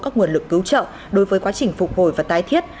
các nguồn lực cứu trợ đối với quá trình phục hồi và tái thiết